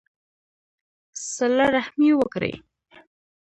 صلہ رحمي وکړئ